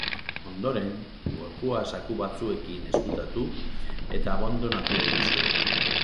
Ondoren, gorpua zaku batzuekin ezkutatu eta abandonatu egin zuen.